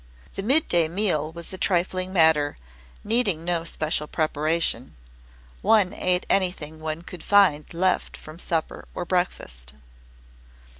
The midday meal was a trifling matter, needing no special preparation. One ate anything one could find left from supper or breakfast.